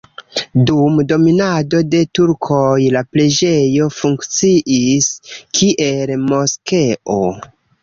Dum dominado de turkoj la preĝejo funkciis, kiel moskeo.